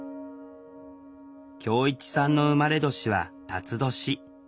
恭一さんの生まれ年は辰年。